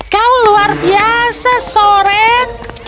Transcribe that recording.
kau luar biasa soren